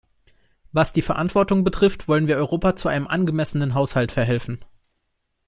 Was die Verantwortung betrifft, wollen wir Europa zu einem angemessenen Haushalt verhelfen.